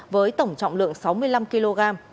với tổng trọng lượng sáu mươi năm kg